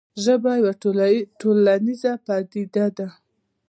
ژبه یوه ټولنیزه پدیده ده.